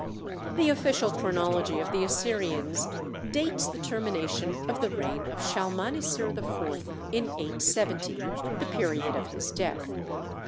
The official chronology of the Assyrians dates the termination of the reign of Shalmaneser IV in 870, the period of his death.